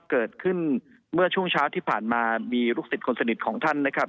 เกิดขึ้นเมื่อช่วงเช้าที่ผ่านมามีลูกศิษย์คนสนิทของท่านนะครับ